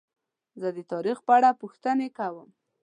زه د تاریخ په اړه پوښتنې کوم.